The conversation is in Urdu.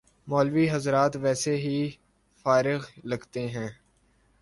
مولوی حضرات ویسے ہی فارغ لگتے ہیں۔